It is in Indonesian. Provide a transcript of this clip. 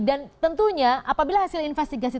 dan tentunya apabila hasilnya investigasi